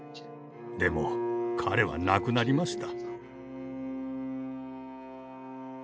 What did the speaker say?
でも彼は亡くなりました。